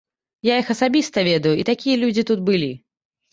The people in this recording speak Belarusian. Я іх асабіста ведаю, і такія людзі тут былі.